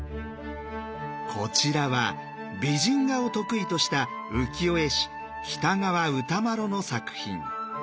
こちらは美人画を得意とした浮世絵師喜多川歌麿の作品。